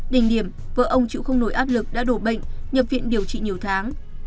đỉnh điểm vợ ông chịu không nổi áp lực đã đổ bệnh nhập viện điều trị nhiều tháng